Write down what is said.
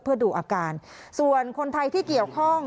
เพื่อดูอาการส่วนคนไทยที่เกี่ยวข้อง